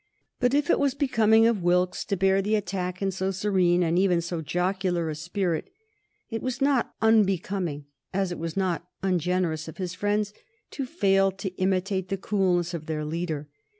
But if it was becoming of Wilkes to bear the attack in so serene and even so jocular a spirit, it was not unbecoming, as it was not ungenerous, of his friends to fail to imitate the coolness of their leader.